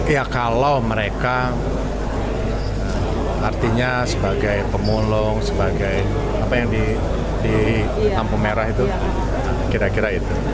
ya kalau mereka artinya sebagai pemulung sebagai apa yang di lampu merah itu kira kira itu